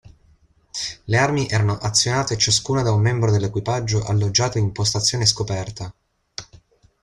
Le armi erano azionate ciascuna da un membro dell'equipaggio alloggiato in postazione scoperta.